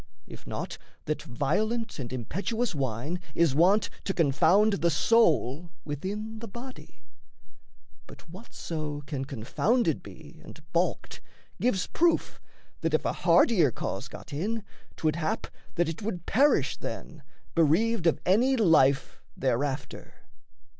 If not that violent and impetuous wine Is wont to confound the soul within the body? But whatso can confounded be and balked, Gives proof, that if a hardier cause got in, 'Twould hap that it would perish then, bereaved Of any life thereafter.